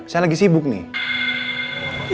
saya lagi sibuk nih